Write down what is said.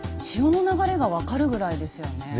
潮の流れが分かるぐらいですよね。